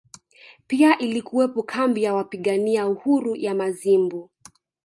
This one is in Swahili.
Pia ilikuwepo kambi ya wapigania uhuru ya Mazimbu